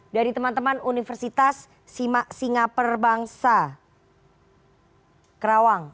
dari teman teman universitas singaperbangsa kerawang